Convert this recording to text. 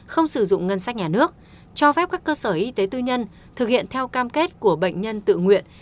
không sử dụng ngân sách nhà nước cho phép các cơ sở y tế tư nhân thực hiện theo cam kết của bệnh nhân tự nguyện